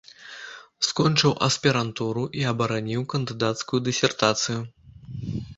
Скончыў аспірантуру і абараніў кандыдацкую дысертацыю.